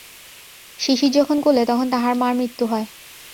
শিশির যখন কোলে তখন তাহার মার মৃত্যু হয়।